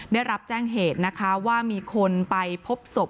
ได้รับแจ้งเหตุนะคะว่ามีคนไปพบศพ